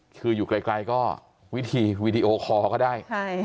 คืออยู่ไกลก็วิธีวีดีโอคอร์ก็ได้